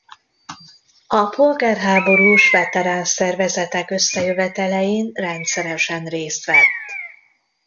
A polgárháborús veterán szervezetek összejövetelein rendszeresen részt vett.